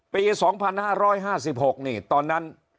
ปี๒๕๕๖นี่ตอนนั้น